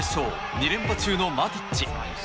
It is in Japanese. ２連覇中のマティッチ。